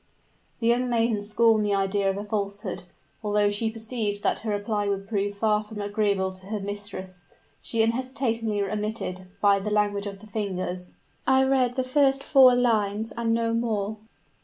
The young maiden scorned the idea of a falsehood; although she perceived that her reply would prove far from agreeable to her mistress, she unhesitatingly admitted, by the language of the hands. "I read the first four lines, and no more."